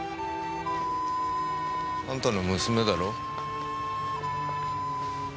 あんたの娘だろ。